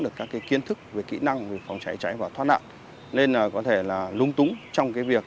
được các cái kiến thức về kỹ năng về phòng cháy cháy và thoát nạn nên có thể là lung túng trong cái việc